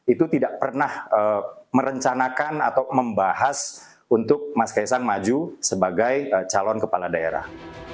itu tidak pernah merencanakan atau membahas untuk mas kaisang maju sebagai calon kepala daerah